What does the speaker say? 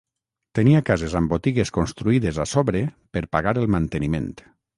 Tenia cases amb botigues construïdes a sobre per pagar el manteniment.